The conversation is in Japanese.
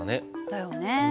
だよね。